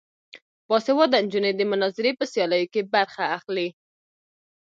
باسواده نجونې د مناظرې په سیالیو کې برخه اخلي.